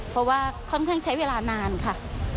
เพราะว่าค่อนข้างใช้เวลานานค่ะ